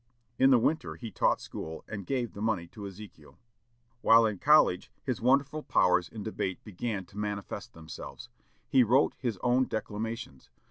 In the winter he taught school, and gave the money to Ezekiel. While in college, his wonderful powers in debate began to manifest themselves. He wrote his own declamations.